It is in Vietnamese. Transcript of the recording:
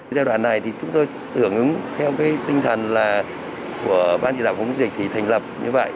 giai đoạn này chúng tôi tưởng ứng theo tinh thần của ban chỉ đạo phóng dịch thành lập như vậy